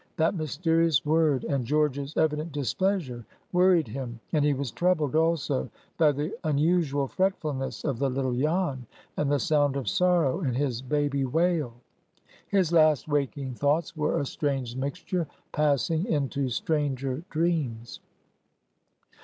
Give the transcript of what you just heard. That mysterious word and George's evident displeasure worried him, and he was troubled also by the unusual fretfulness of the little Jan, and the sound of sorrow in his baby wail. His last waking thoughts were a strange mixture, passing into stranger dreams.